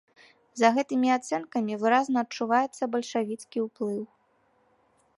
За гэтымі ацэнкамі выразна адчуваецца бальшавіцкі ўплыў.